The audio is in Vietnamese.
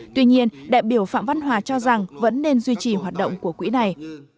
tuy nhiên đại biểu phạm văn hòa cho rằng vẫn nên duy trì hoạt động của quỹ này